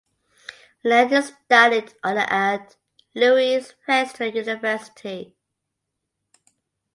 Lang studied under at Louis Pasteur University.